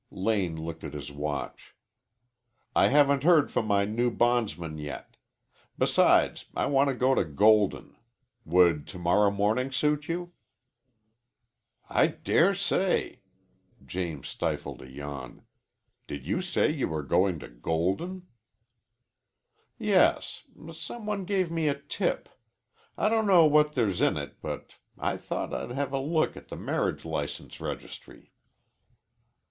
Lane looked at his watch. "I haven't heard from my new bondsmen yet. Besides, I want to go to Golden. Would to morrow morning suit you?" "I dare say." James stifled a yawn. "Did you say you were going to Golden?" "Yes. Some one gave me a tip. I don't know what there's in it, but I thought I'd have a look at the marriage license registry."